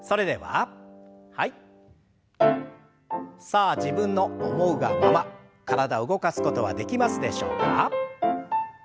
さあ自分の思うがまま体動かすことはできますでしょうか。